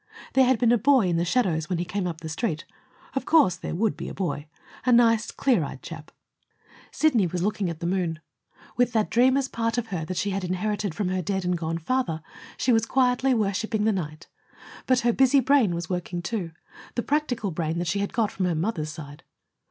There had been a boy in the shadows when he came up the Street. Of course there would be a boy a nice, clear eyed chap Sidney was looking at the moon. With that dreamer's part of her that she had inherited from her dead and gone father, she was quietly worshiping the night. But her busy brain was working, too, the practical brain that she had got from her mother's side.